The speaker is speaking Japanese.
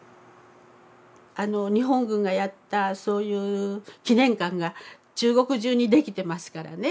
あの日本軍がやったそういう記念館が中国中に出来てますからね。